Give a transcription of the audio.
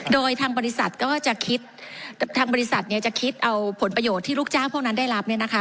โดยทางบริษัทก็จะคิดทางบริษัทเนี่ยจะคิดเอาผลประโยชน์ที่ลูกจ้างพวกนั้นได้รับเนี่ยนะคะ